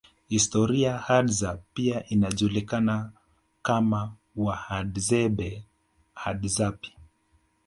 Historia Hadza pia inajulikana kama Wahadzabe Hadzapi